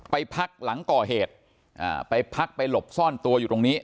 ไปพักหลังก่อเหตุไปพักไปหลบซ่อนตัวอยู่ตรงนี้